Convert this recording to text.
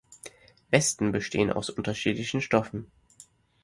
Westen bestehen aus unterschiedlichen Stoffen.